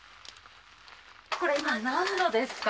これ今、何度ですか？